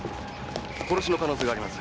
殺しの可能性があります。